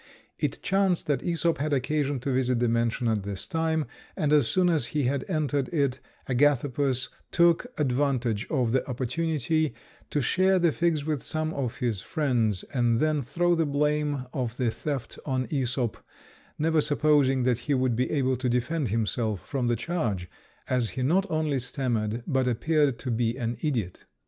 It chanced that Æsop had occasion to visit the mansion at this time, and as soon as he had entered it, Agathopus took advantage of the opportunity to share the figs with some of his friends, and then throw the blame of the theft on Æsop, never supposing that he would be able to defend himself from the charge, as he not only stammered, but appeared to be an idiot.